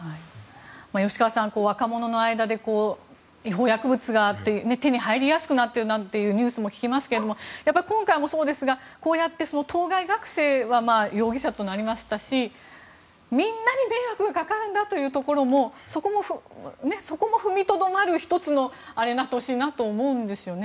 吉川さん、若者の間で違法薬物が手に入りやすくなっているなんていうニュースも聞きますが今回もそうですが、こうやって当該学生は容疑者となりましたしみんなに迷惑がかかるんだというところも踏みとどまる１になってほしいと思うんですね。